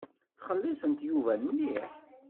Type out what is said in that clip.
Ttxelliṣent Yuba mliḥ.